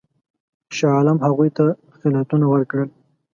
شاه عالم هغوی ته خلعتونه ورکړل.